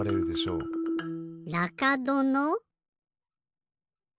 らかどの？